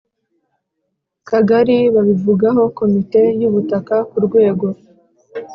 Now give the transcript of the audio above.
Kagali babivugaho Komite y ubutaka ku rwego